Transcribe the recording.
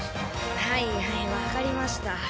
はいはいわかりました。